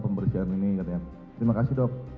pembersihan ini katanya terima kasih dok